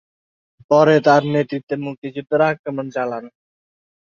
পরে তার নেতৃত্বে মুক্তিযোদ্ধারা আক্রমণ চালান।